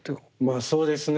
まあそうですね。